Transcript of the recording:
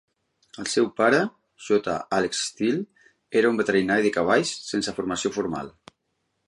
El seu pare, J. Alex Still, era un veterinari de cavalls sense formació formal.